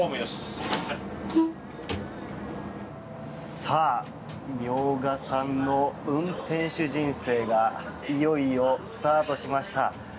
さあ明賀さんの運転士人生がいよいよスタートしました。